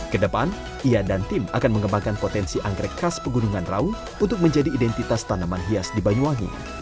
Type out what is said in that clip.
kedepan ia dan tim akan mengembangkan potensi anggrek khas pegunungan raung untuk menjadi identitas tanaman hias di banyuwangi